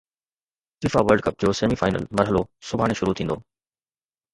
FIFA World Cup semi سيمي فائنل مرحلو سڀاڻي شروع ٿيندو